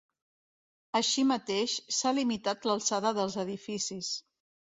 Així mateix, s’ha limitat l’alçada dels edificis.